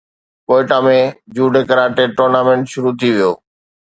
Quetta ۾ judo karate tournament شروع ٿي ويو